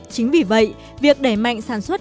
chính vì vậy việc đẩy mạnh sản xuất